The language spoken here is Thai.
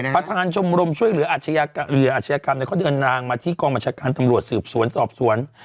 ประธานชมรมช่วยเหลืออาชญากรรมเขาเดินทางมาที่กองบัญชาการตำรวจสืบสวนสอบสวน